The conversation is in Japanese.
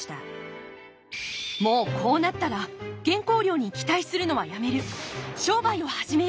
もうこうなったら原稿料に期待するのはやめる。